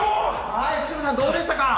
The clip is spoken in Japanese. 福島さん、どうでしたか？